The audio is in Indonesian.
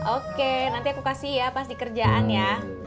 oke nanti aku kasih ya pas di kerjaan ya